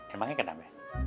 emangnya kenapa ya